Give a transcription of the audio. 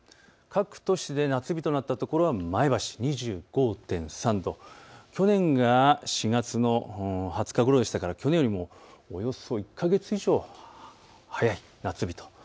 各都市で夏日となったところは前橋２５．３度、去年が４月の２０日ごろでしたから去年よりもおよそ１か月以上早い夏日と。